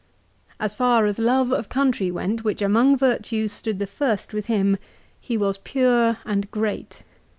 As far as love of country went, which among virtues stood the first with him, he was pure and great.